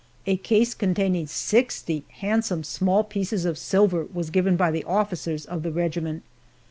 A case containing sixty handsome small pieces of silver was given by the officers of the regiment.